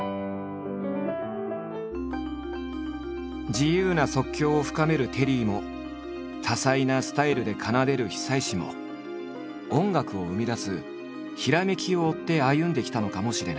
自由な即興を深めるテリーも多彩なスタイルで奏でる久石も音楽を生み出すひらめきを追って歩んできたのかもしれない。